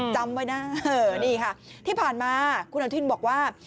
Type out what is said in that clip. จำไว้นะนี่ค่ะที่ผ่านมาคุณอนุทินบอกว่า